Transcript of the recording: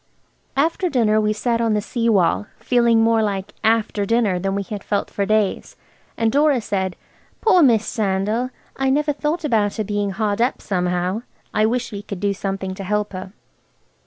After dinner we sat on the sea wall, feeling more like after dinner than we had felt for days, and Dora said– "Poor Miss Sandal! I never thought about her being hard up, somehow. I wish we could do something to help her."